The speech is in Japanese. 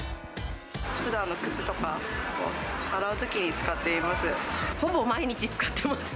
ふだんの靴とかを洗うときにほぼ毎日使ってます。